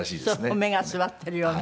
目が据わってるような。